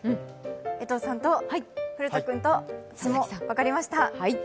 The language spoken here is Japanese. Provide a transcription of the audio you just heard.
江藤さんと古田君と私も分かりました。